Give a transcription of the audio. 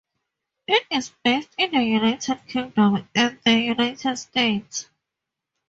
It is based in the United Kingdom and the United States.